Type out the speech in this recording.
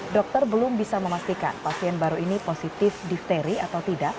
dokter belum bisa memastikan pasien baru ini positif difteri atau tidak